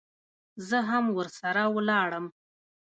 زه هم ورسره ولاړم.